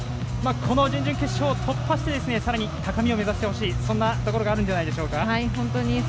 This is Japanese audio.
この準々決勝を突破して、さらに高みを目指してほしいそんなところがあるんじゃないですか。